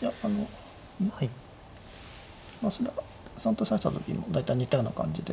いやあの増田さんと指した時も大体似たような感じで。